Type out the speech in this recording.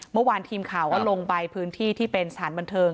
เมื่อวานทีมข่าวก็ลงไปพื้นที่ที่เป็นสถานบันเทิง